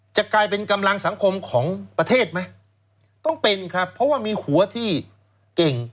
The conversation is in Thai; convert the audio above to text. จะกลายเป็นกำลังสังคมของประเทศไหมต้องเป็นครับเพราะว่ามีหัวที่เก่ง